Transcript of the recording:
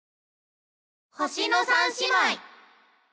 「星の三姉妹」。